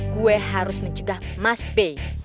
gue harus mencegah mas b